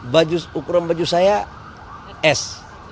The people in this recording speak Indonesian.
baju ukuran baju saya es